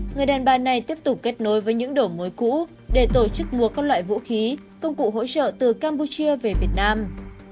người đàn bà này tiếp tục kết nối với những đổ mối cũ để tổ chức mua các loại vũ khí công cụ hỗ trợ từ campuchia về việt nam